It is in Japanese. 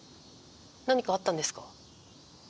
何かあったんですか？